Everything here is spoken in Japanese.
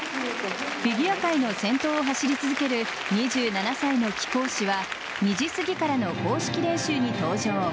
フィギュア界の先頭を走り続ける２７歳の貴公子は２時すぎからの公式練習に登場。